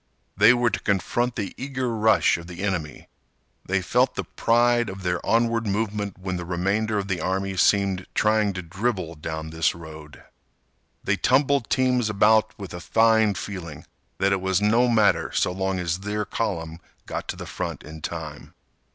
They were to confront the eager rush of the enemy. They felt the pride of their onward movement when the remainder of the army seemed trying to dribble down this road. They tumbled teams about with a fine feeling that it was no matter so long as their column got to the front in time.